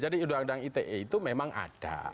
jadi undang undang ite itu memang ada